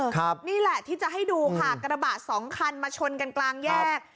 นี่แหละที่จะให้ดูค่ะกระบะสองคันมาชนกันกลางแยก